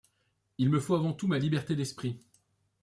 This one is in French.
Il me faut avant tout ma liberté d'esprit.